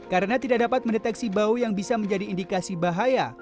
karena tidak dapat mendeteksi bau yang bisa menjadi indikasi bahaya